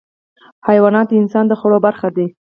حیوانات د انسان د خوړو برخه دي.